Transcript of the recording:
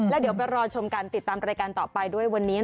แล้วเดี๋ยวไปรอชมการติดตามรายการต่อไปด้วยวันนี้